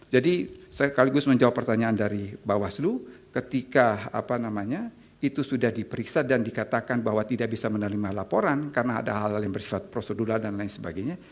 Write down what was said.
jadi saya sekaligus menjawab pertanyaan dari bawaslu ketika itu sudah diperiksa dan dikatakan bahwa tidak bisa menerima laporan karena ada hal hal yang bersifat prosedural dan lain sebagainya